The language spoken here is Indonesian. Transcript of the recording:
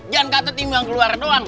jangan kata timbang keluar doang